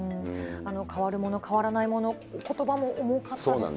変わるもの、変わらないもの、ことばも重かったですね。